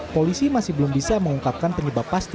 polisi masih belum bisa mengungkapkan penyebab pasti